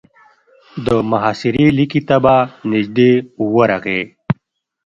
د محاصرې ليکې ته به نږدې ورغی.